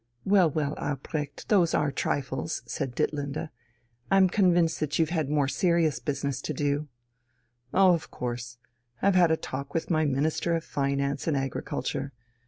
"Well, well, Albrecht, those are trifles!" said Ditlinde. "I'm convinced that you've had more serious business to do...." "Oh, of course. I've had a talk with my Minister of Finance and Agriculture.